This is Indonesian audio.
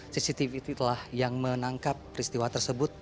cctv telah yang menangkap peristiwa tersebut